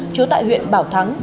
chứa tại huyện bảo thắng